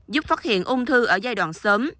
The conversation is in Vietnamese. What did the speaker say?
giúp phát hiện ung thư ở giai đoạn sớm